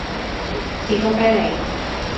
士多啤梨